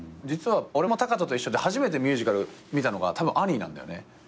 実は俺も学仁と一緒で初めてミュージカル見たのがたぶん『アニー』なんだよね。